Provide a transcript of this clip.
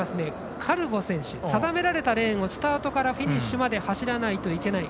カルボ選手、定められたレーンをスタートからフィニッシュまで走らないといけない。